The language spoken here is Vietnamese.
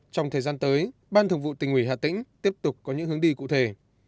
trong thời gian tới ban thường vụ tình hủy hà tĩnh tiếp tục có những hướng đi cụ thể